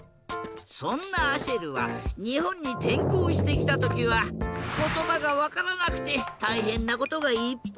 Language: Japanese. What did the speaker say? そんなアシェルはにほんにてんこうしてきたときはことばがわからなくてたいへんなことがいっぱいあったんだ。